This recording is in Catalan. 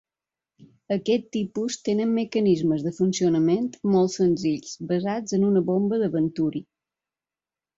Aquests tipus tenen mecanismes de funcionament molt senzills, basats en una bomba de venturi.